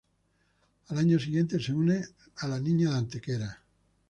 Al año siguiente se une a La Niña de Antequera.